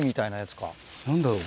何だろう？